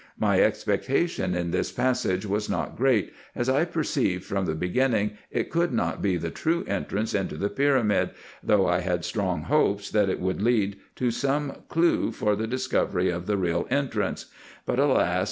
My expectation in this passage was not great, as I perceived from the beginning it could not be the true entrance into the pyramid, IN EGYPT, NUBIA, &c. 265 though I had strong hopes that it would lead to some clew for the discovery of the real entrance ; but, alas